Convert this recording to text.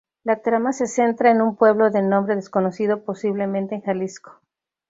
La trama se centra en un pueblo de nombre desconocido posiblemente en Jalisco.